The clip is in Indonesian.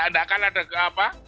anda kan ada ke apa